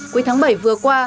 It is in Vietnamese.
cuối tháng bảy vừa qua